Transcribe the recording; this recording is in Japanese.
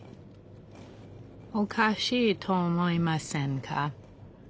おかしいと思いませんか？